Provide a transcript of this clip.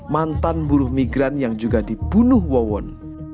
mantan buruh migran yang juga dibunuh wawon